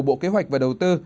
bộ kế hoạch và đầu tư